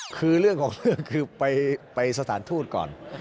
คือเรื่องของเรื่องคือไปสถานทูตก่อน